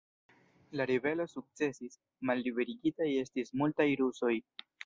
La ribelo sukcesis, malliberigitaj estis multaj rusoj.